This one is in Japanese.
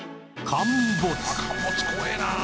陥没怖えなあ。